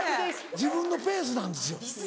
自分のペースなんですよ。